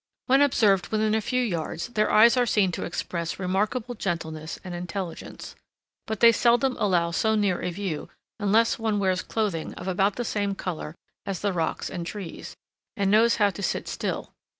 When observed within a few yards their eyes are seen to express remarkable gentleness and intelligence; but they seldom allow so near a view unless one wears clothing of about the same color as the rocks and trees, and knows how to sit still.